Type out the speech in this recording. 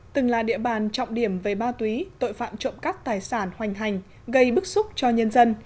từng là địa bàn trọng điểm về ma túy tội phạm trộm cắp tài sản hoành hành gây bức xúc cho nhân dân